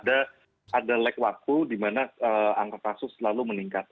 ada lag waktu di mana angka kasus selalu meningkat